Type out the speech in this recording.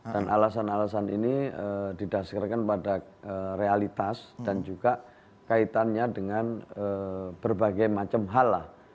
dan alasan alasan ini didasarkan pada realitas dan juga kaitannya dengan berbagai macam hal lah